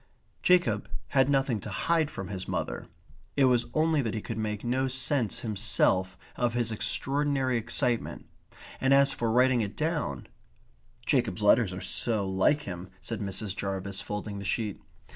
Jacob had nothing to hide from his mother. It was only that he could make no sense himself of his extraordinary excitement, and as for writing it down "Jacob's letters are so like him," said Mrs. Jarvis, folding the sheet.